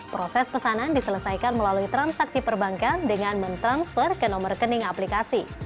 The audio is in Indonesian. proses pesanan diselesaikan melalui transaksi perbankan dengan mentransfer ke nomor rekening aplikasi